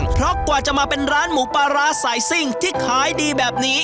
เพราะกว่าจะมาเป็นร้านหมูปลาร้าสายซิ่งที่ขายดีแบบนี้